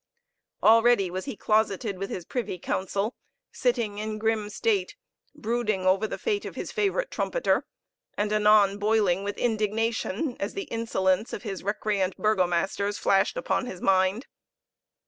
Already was he closeted with his privy council, sitting in grim state, brooding over the fate of his favorite trumpeter, and anon boiling with indignation as the insolence of his recreant burgomasters flashed upon his mind.